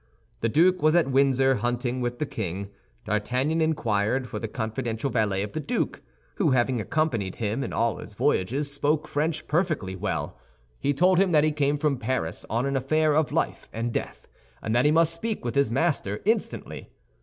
The duke was at Windsor hunting with the king. D'Artagnan inquired for the confidential valet of the duke, who, having accompanied him in all his voyages, spoke French perfectly well; he told him that he came from Paris on an affair of life and death, and that he must speak with his master instantly.